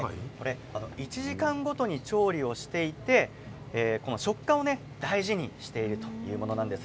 １時間ごとに調理をしていて食感を大事にしているというものなんです。